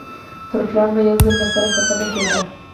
پر پلان به یو ځل له سره کتنه کېده